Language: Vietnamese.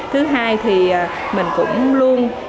thứ hai thì mình cũng luôn